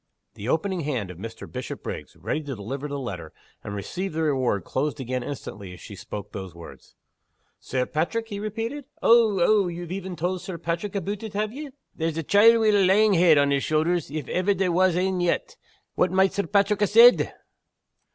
The opening hand of Mr. Bishopriggs ready to deliver the letter, and receive the reward closed again instantly as she spoke those words. "Sir Paitrick?" he repeated "Ow! ow! ye've een tauld Sir Paitrick aboot it, have ye? There's a chiel wi' a lang head on his shouthers, if ever there was ane yet! What might Sir Paitrick ha' said?"